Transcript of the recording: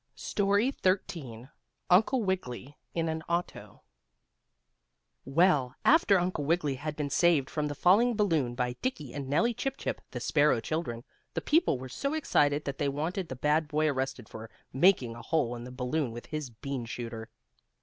STORY XIII UNCLE WIGGILY IN AN AUTO Well, after Uncle Wiggily had been saved from the falling balloon by Dickie and Nellie Chip Chip, the sparrow children, the people were so excited that they wanted the bad boy arrested for making a hole in the balloon with his bean shooter.